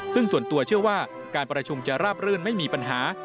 ซึ่งส่วนตัวเชื่อว่าการประชุมจะราบรื่นไม่มีปัญหา